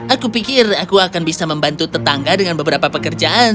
aku pikir aku akan bisa membantu tetangga dengan beberapa pekerjaan